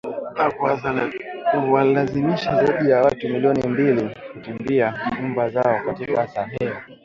na kuwalazimisha zaidi ya watu milioni mbili kukimbia nyumba zao katika Sahel